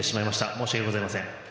申し訳ございません。